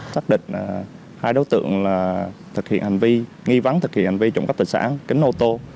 xác định hai đối tượng nghi vắng thực hiện hành vi trộm cắp tài sản kính ô tô